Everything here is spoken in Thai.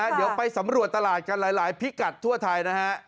เดี๋ยวไปสำรวจตลาดกันหลายพิกัดทั่วไทยนะฮะ